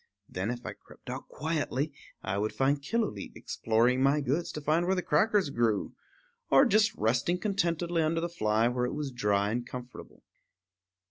Then, if I crept out quietly, I would find Killooleet exploring my goods to find where the crackers grew, or just resting contentedly under the fly where it was dry and comfortable.